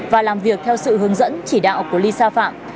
và làm việc theo sự hướng dẫn chỉ đạo của lisa phạm